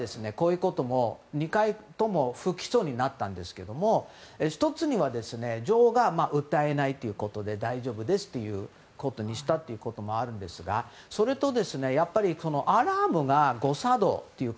２回とも不起訴になったんですけど女王が訴えないということで大丈夫ですということにしたこともあるんですがそれとアラームが誤作動というか。